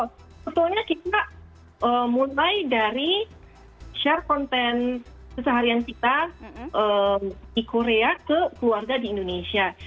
sebetulnya kita mulai dari share konten keseharian kita di korea ke keluarga di indonesia